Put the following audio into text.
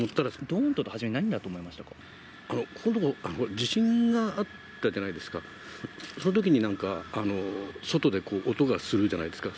どーんという音、ここんとこ地震があったじゃないですか、そのときになんか、外でこう、音がするじゃないですか。